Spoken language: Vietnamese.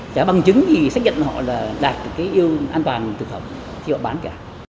chả bằng chứng gì xác nhận họ là đạt được cái yêu an toàn thực phẩm khi họ bán cả